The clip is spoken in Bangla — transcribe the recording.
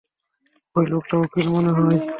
ঐ লোকটা উকিল মনে হয়।